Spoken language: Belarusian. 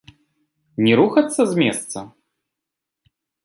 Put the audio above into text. Не рухацца з месца?